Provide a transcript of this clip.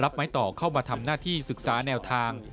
ไม้ต่อเข้ามาทำหน้าที่ศึกษาแนวทาง